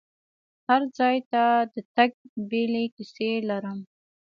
هر ځای ته د تګ بیلې کیسې لرم.